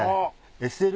ＳＬ